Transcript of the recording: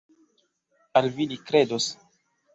Al vi li kredos!